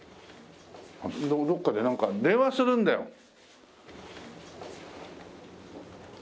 どこかでなんか電話するんだよ。